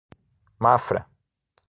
Mafra